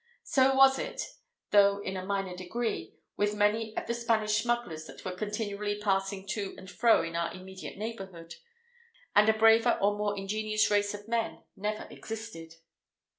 So was it, though in a minor degree, with many of the Spanish smugglers that were continually passing to and fro in our immediate neighbourhood; and a braver or more ingenious race of men never existed.